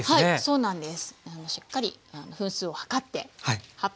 そうなんです。